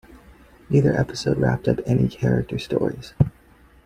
Neither episode wrapped up any character stories.